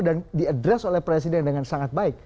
dan diadres oleh presiden dengan sangat baik